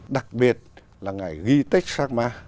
đặc biệt là ngài ghi tích sangma